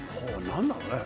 何だろうね。